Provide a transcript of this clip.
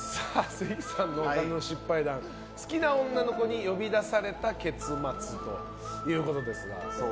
関さんのお金の失敗談好きな女の子に呼び出された結末ということですが。